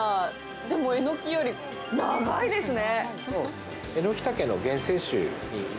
でも、エノキより長いですね。